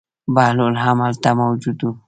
بهلول هم هلته موجود و.